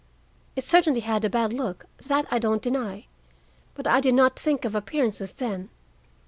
"It certainly had a bad look,—that I don't deny; but I did not think of appearances then.